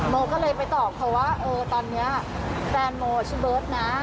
โมก็เลยไปตอบเขาว่าเออตอนนี้แฟนโมชื่อเบิร์ตนะ